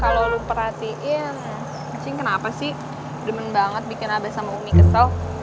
kalo lo perhatiin encing kenapa sih demen banget bikin abah sama umi kesel